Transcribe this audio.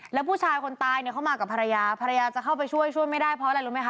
แล้วผู้ชายคนตายเนี่ยเข้ามากับภรรยาภรรยาจะเข้าไปช่วยช่วยไม่ได้เพราะอะไรรู้ไหมคะ